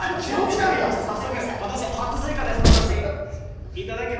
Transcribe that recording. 早速、私、初スイカです、ことし。